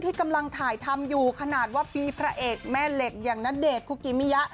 กำลังถ่ายทำอยู่ขนาดว่าปีพระเอกแม่เหล็กอย่างณเดชน์คุกิมิยะ